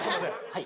はい。